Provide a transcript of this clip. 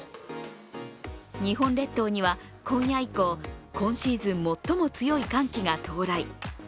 日本列島には今夜以降、今シーズン最も強い寒気が到来。